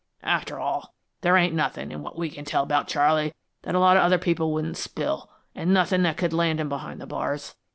After all, there ain't nothin' in what we can tell about Charley that a lot of other people wouldn't spill, an' nothin' that could land him behind the bars.